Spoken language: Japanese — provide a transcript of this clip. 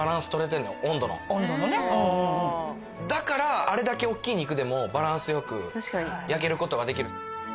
だからあれだけおっきい肉でもバランス良く焼ける事ができる。